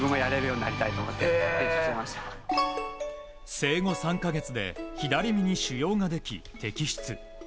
生後３か月で左目に腫瘍ができ摘出。